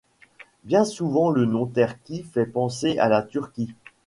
Bien souvent le nom Terki fait penser à la Turquie.